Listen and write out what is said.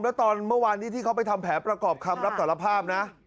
แล้วตอนเมื่อวานนี้ที่เขาไปทำแผนประกอบคำรับสารภาพนะ